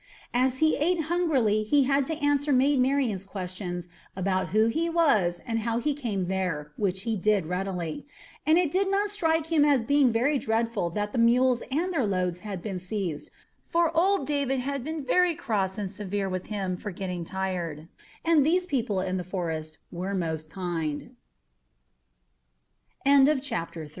As he ate hungrily he had to answer Maid Marian's questions about who he was and how he came there, which he did readily, and it did not strike him as being very dreadful that the mules and their loads had been seized, for old David had been very cross and severe with him for getting tired, and these people in the forest were most kind. CHAPTER IV It was a